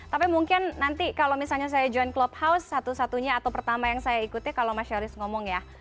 tapi mungkin nanti kalau misalnya saya joint clubhouse satu satunya atau pertama yang saya ikuti kalau mas yoris ngomong ya